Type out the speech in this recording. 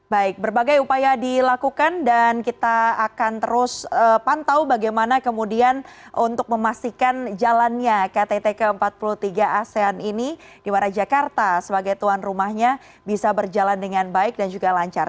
baik berbagai upaya dilakukan dan kita akan terus pantau bagaimana kemudian untuk memastikan jalannya ktt ke empat puluh tiga asean ini di mana jakarta sebagai tuan rumahnya bisa berjalan dengan baik dan juga lancar